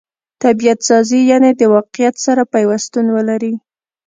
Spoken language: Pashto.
طبعت سازي؛ یعني د واقعیت سره پیوستون ولري.